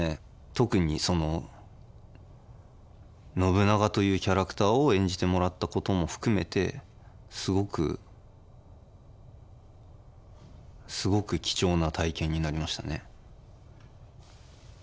特に信長というキャラクターを演じてもらったことも含めてすごくすごく貴重な体験になりましたね。